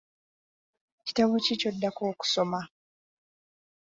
Kitabo ki ky'oddako okusoma?